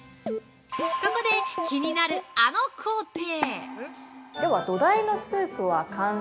◆ここで、気になるあの工程！